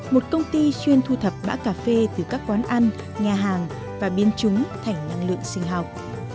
một công ty xuyên thu thập bã cà phê từ các quán ăn nhà hàng và biến chúng thành năng lượng sinh học